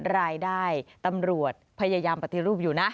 รายได้ตำรวจพยายามปฏิรูปอยู่นะ